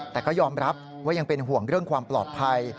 แต่ก็ยอมรับว่ายังเป็นห่วงเรื่องความปลอดภัย